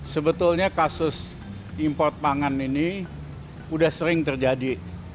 sebetulnya kasus impor pangan ini sudah sering terjadi